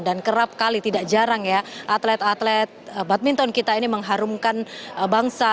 dan kerap kali tidak jarang ya atlet atlet badminton kita ini mengharumkan bangsa